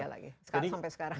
iya lagi sampai sekarang